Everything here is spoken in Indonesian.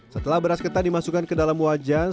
setelah beras ketan dimasukkan ke dalam wajan